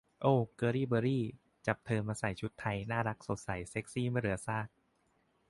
โอว เกิร์ลลี่ เบอร์รี่ จับเธอมาใส่ชุดไทย น่ารักสดใส เซ็กซี่ไม่เหลือซาก